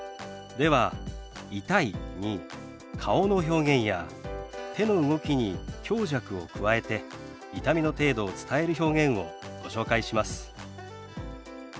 では「痛い」に顔の表現や手の動きに強弱を加えて痛みの程度を伝える表現をご紹介します。